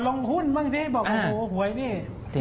ลองหุ้นบ้างที่ให้บอกคุณผู้หวยนี่